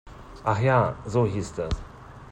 Ach ja, so hieß das.